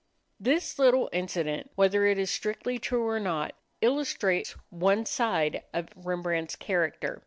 This little incident, whether it is strictly true or not, illustrates one side of Rembrandt's character.